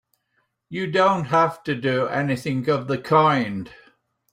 You don't have to do anything of the kind!